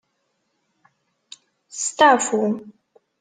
Staɛfu